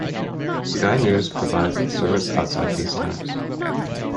Sky news provides the service outside these times.